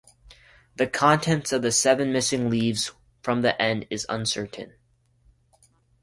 The contents of the seven missing leaves from the end is uncertain.